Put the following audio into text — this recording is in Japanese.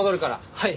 はい！